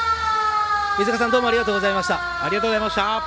飯塚さんどうもありがとうございました。